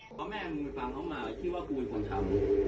เพราะแม่มันฟังเขามาว่าคิดว่าคุณเป็นคนทำ